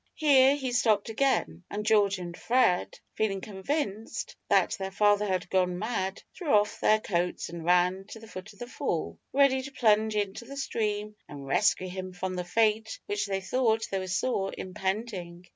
Here he stopped again, and George and Fred, feeling convinced that their father had gone mad, threw off their coats and ran to the foot of the fall, ready to plunge into the stream and rescue him from the fate which they thought they saw impending.